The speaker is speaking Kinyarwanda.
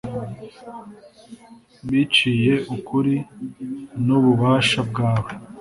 biciye ukubiri n’ububasha bwawe.